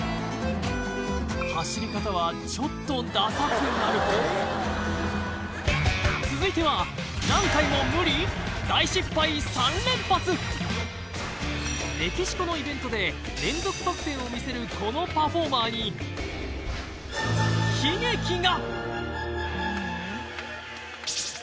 走り方はちょっとダサくなるかも続いてはメキシコのイベントでを見せるこのパフォーマーに悲劇が！